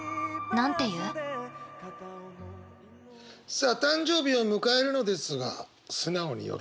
さあ誕生日を迎えるのですが素直に喜べない。